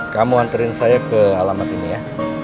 kamu anterin saya ke alamat ini ya